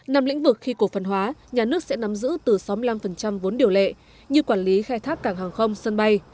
năm lĩnh vực khi cổ phần hóa nhà nước sẽ nắm giữ từ sáu mươi năm vốn điều lệ như quản lý khai thác cảng hàng không sân bay